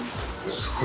すごい。